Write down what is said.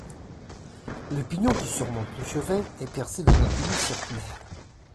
Le pignon qui surmonte le chevet est percé d'un oculus circulaire.